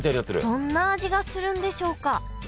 どんな味がするんでしょうか？